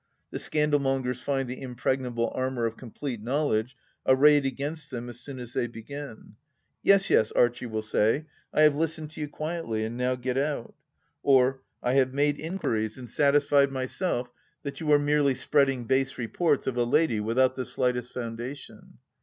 The scandalmongers find the impregnable armour of complete knowledge arrayed against them as soon as they begin. " Yes, yes," Archie will say, " I have listened to you quietly, and now get out I " Or " I have made inquiries and satisfied 176 THE LAST DITCH myself that you are merely spreading base reports of a lady without the slightest foimdation."